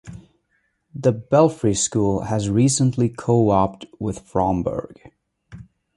The Belfry school has recently co-oped with Fromberg.